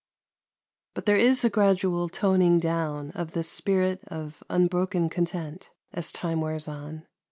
123. But there is a gradual toning down of this spirit of unbroken content as time wears on.